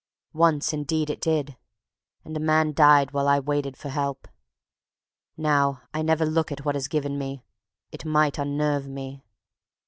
Once indeed it did, and a man died while I waited for help. Now I never look at what is given me. It might unnerve me.